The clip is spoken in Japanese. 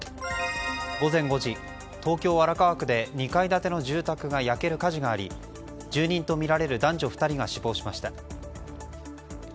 午前５時、東京・荒川区で２階建ての住宅が焼ける火事があり住人とみられる男女２人が死亡しました。